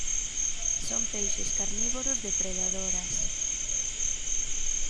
Son peixes carnívoros depredadoras.